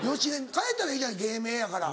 変えたらいいじゃん芸名やから。